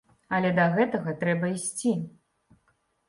Але да гэтага трэба ісці.